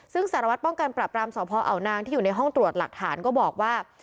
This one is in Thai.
ซึ่งสารวัตรป้องกันปรับรามสพอาวนางที่อยู่ในห้องตรวจหลักฐานก็บอกว่า